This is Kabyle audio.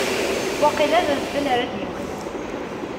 Waqila d adfel ara d-yewwten.